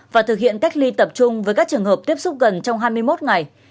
và thực hiện cách ly tập trung với các trường hợp tiếp xúc gần trong hai mươi một ngày